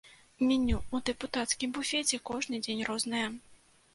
Меню ў дэпутацкім буфеце кожны дзень рознае.